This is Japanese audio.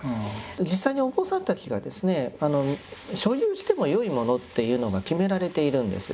実際にお坊さんたちがですね所有してもよいものっていうのが決められているんです。